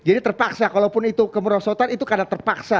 jadi terpaksa kalaupun itu kemerusotan itu karena terpaksa